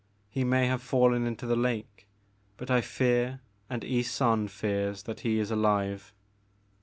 He may have fallen into the lake, but I fear and Ysonde fears that he is alive.